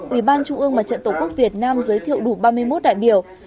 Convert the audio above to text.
ủy ban trung ương mặt trận tổ quốc việt nam giới thiệu đủ ba mươi một đại biểu